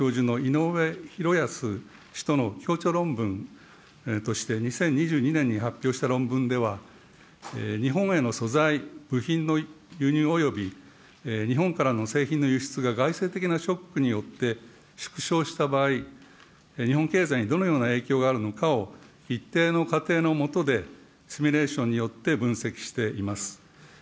うやすゆき氏が兵庫県立大学の教授のいのうえひろやす氏との共著論文として２０２２年に発表した論文では、日本への素材、部品の輸入および日本からの製品の輸出が外生的なショックによって縮小した場合、日本経済にどのような影響があるのかを一定の仮定の下でシミュレーションによって分析しています。